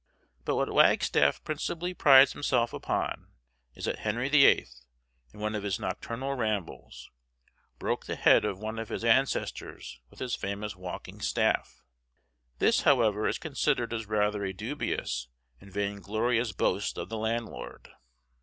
But what Wagstaff principally prides himself upon is that Henry the Eighth, in one of his nocturnal rambles, broke the head of one of his ancestors with his famous walking staff. This, however, is considered as rather a dubious and vain glorious boast of the landlord.